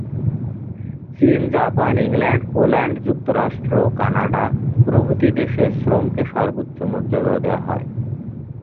চীন, Japan, England, Poland, যুক্তরাষ্ট্র, Canada প্রভৃতি দেশে শ্রমকে সর্বোচ্চ মর্যাদা দেয়া হয়।